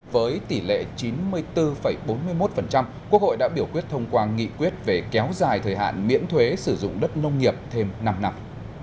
với tỷ lệ chín mươi bốn bốn mươi một quốc hội đã biểu quyết thông qua nghị quyết về kéo dài thời hạn miễn thuế sử dụng đất nông nghiệp thêm năm năm